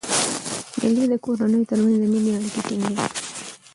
مېلې د کورنیو تر منځ د میني اړیکي ټینګي.